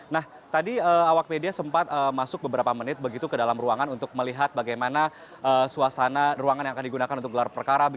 nah tadi awak media sempat masuk beberapa menit begitu ke dalam ruangan untuk melihat bagaimana suasana ruangan yang akan digunakan untuk gelar perkara